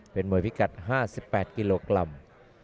เป็นมวยพิกัด๕๘กิโลกรัม